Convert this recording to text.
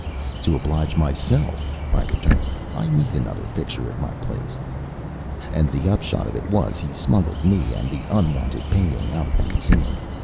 "To oblige myself," I returned. "I need another picture at my place." And the upshot of it was, he smuggled me and the unwanted painting out of the Museum.